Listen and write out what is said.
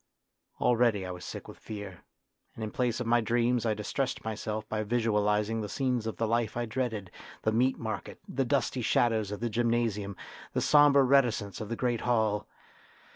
Already I was sick with fear, and in place of my dreams I distressed myself by visualising the scenes of the life I dreaded the Meat Market, the dusty shadows of the gym nasium, the sombre reticence of the great hall.